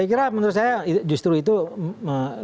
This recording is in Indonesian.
saya kira menurut saya justru itu lebih di khususkan